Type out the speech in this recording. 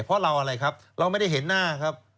เพราะเราอะไรครับเราไม่ได้เห็นหน้าครับ